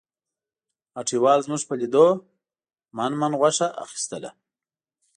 هټیوال زموږ په لیدو من من غوښه اخیستل.